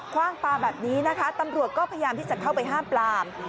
ว่างปลาแบบนี้นะคะตำรวจก็พยายามที่จะเข้าไปห้ามปลาม